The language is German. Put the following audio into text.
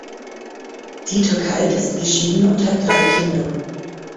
Dieter Kalt ist geschieden und hat drei Kinder.